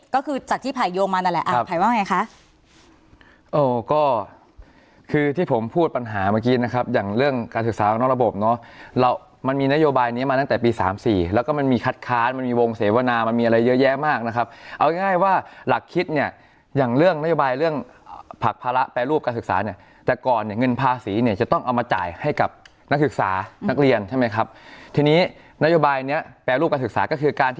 ก็คือจากที่ภายโยงมานั่นแหละภายว่าไงคะก็คือที่ผมพูดปัญหาเมื่อกี้นะครับอย่างเรื่องการศึกษาออกนอกระบบเนาะมันมีนโยบายนี้มาตั้งแต่ปี๓๔แล้วก็มันมีคัดค้านมันมีวงเสวนามันมีอะไรเยอะแยะมากนะครับเอาง่ายว่าหลักคิดเนี่ยอย่างเรื่องนโยบายเรื่องผลักภาระแปรรูปการศึกษาเนี่ยแต่ก่อนเนี่ยเ